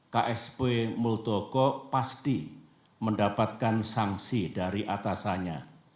ksp muldoko pasti mendapatkan sanksi dari atasannya